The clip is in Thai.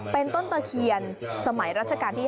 เป็นต้นตะเคียนสมัยรัชกาลที่๕